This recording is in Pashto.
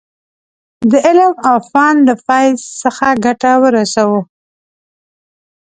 د علم او فن له فیض څخه ګټه ورسوو.